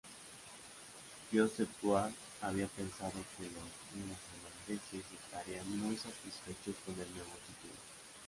Joseph Ward había pensado que los neozelandeses estarían "muy satisfechos" con el nuevo título.